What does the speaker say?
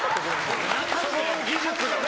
そこの技術もね。